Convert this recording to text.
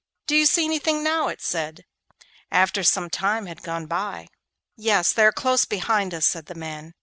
'Do you see anything now?' it said, after some time had gone by. 'Yes; now they are close behind us,' said the man.